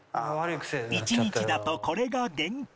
１日だとこれが限界